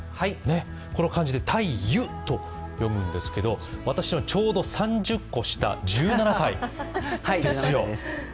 この感じで大祐と読むんですけど私のちょうど３０個下、１７歳ですよ。